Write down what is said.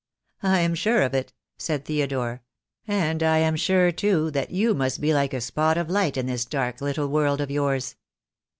"I am sure of it," said Theodore, "and I am sure, too, that you must be like a spot of light in this dark little world of yours."